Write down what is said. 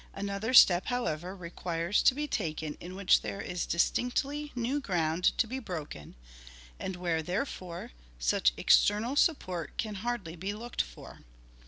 Another step, however, requires to be taken in which there is distinctly new ground to be broken, and where, therefore, such external support can hardly be looked for.